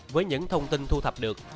với những thông tin thu thập được